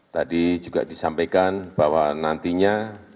tadi juga disampaikan bahwa nantinya income pendapatan